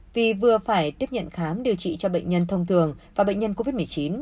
vì vừa phải tiếp nhận khám điều trị cho bệnh nhân thông thường và bệnh nhân covid một mươi chín